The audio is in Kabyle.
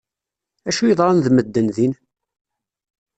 Acu yeḍran d medden din?